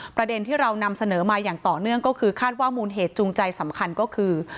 ประเด็นที่เรานำเสนอมาอย่างต่อเนื่องก็คือคาดว่ามูลเหตุจูงใจสำคัญก็คือ